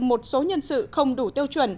một số nhân sự không đủ tiêu chuẩn